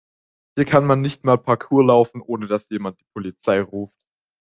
Hier kann man nicht mal Parkour laufen, ohne dass jemand die Polizei ruft.